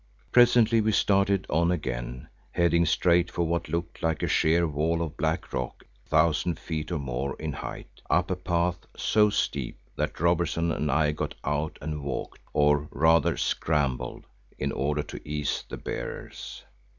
Presently we started on again, heading straight for what looked like a sheer wall of black rock a thousand feet or more in height, up a path so steep that Robertson and I got out and walked, or rather scrambled, in order to ease the bearers.